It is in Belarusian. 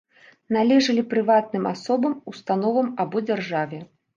Належалі прыватным асобам, установам або дзяржаве.